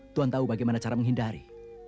tuhan tahu bagaimana cara menghindari